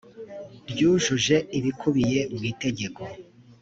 ryujuje ibikubiye mu itegeko